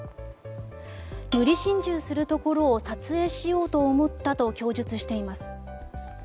無理心中するところを撮影しようと思ったと供述しています。